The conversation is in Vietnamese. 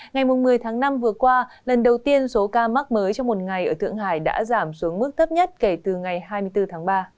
ngày một mươi tháng năm vừa qua lần đầu tiên số ca mắc mới trong một ngày ở thượng hải đã giảm xuống mức thấp nhất kể từ ngày hai mươi bốn tháng ba